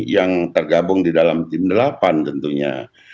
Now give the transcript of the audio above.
yang tergabung di dalam tim delapan tentunya